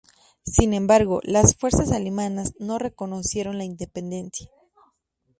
Sin embargo, las fuerzas alemanas no reconocieron la independencia.